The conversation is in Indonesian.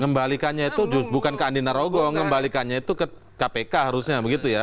ngembalikannya itu bukan ke andina rogo ngembalikannya itu ke kpk harusnya begitu ya